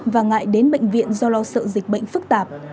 và ngại đến bệnh viện do lo sợ dịch bệnh phức tạp